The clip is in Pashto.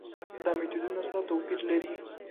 دا میتودونه سره توپیر لري.